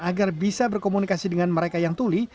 agar bisa berkomunikasi dengan mereka yang tuli